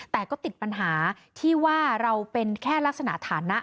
แต่ก็ติดปัญหาที่ว่าเราเป็นแค่ลักษณะฐานะ